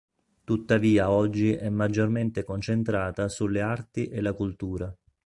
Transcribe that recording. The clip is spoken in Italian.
Tuttavia oggi è maggiormente concentrata sulle arti e la cultura.